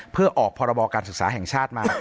เพื่อออกพรบการศึกษาแห่งชาติมา